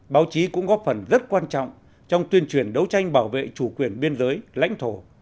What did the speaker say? báo chí cũng góp phần rất quan trọng trong tuyên truyền đấu tranh bảo vệ chủ quyền biên giới lãnh thổ